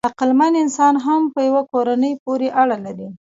عقلمن انسان هم په یوه کورنۍ پورې اړه لري.